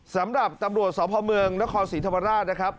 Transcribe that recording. สำหรับตำรวจสพเมืองนครศรีธรรมราชนะครับ